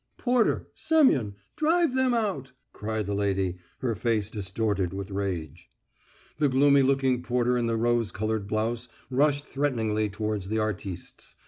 _" "Porter! Semyon! Drive them out!" cried the lady, her face distorted with rage. The gloomy looking porter in the rose coloured blouse rushed threateningly towards the artistes.